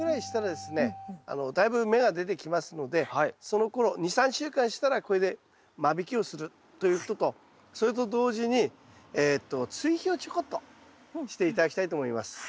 そのころ２３週間したらこれで間引きをするということとそれと同時に追肥をちょこっとして頂きたいと思います。